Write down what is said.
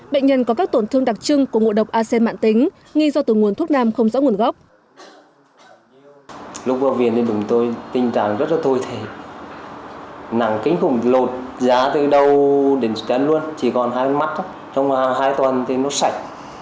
bệnh nhân có các tổn thương đặc trưng của ngộ độc acen mạng tính nghi do từ nguồn thuốc nam không rõ nguồn gốc